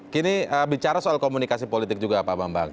kini bicara soal komunikasi politik juga pak bambang